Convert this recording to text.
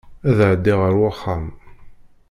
Ad ɛeddiɣ ar wexxam.